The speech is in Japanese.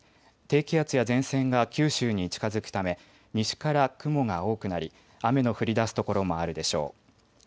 低気圧や前線が九州に近づくため西から雲が多くなり雨の降りだす所もあるでしょう。